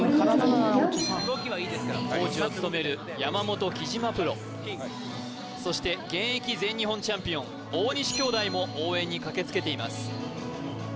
動きはいいですからコーチを務める山本・木嶋プロそして現役全日本チャンピオン大西兄妹も応援に駆けつけています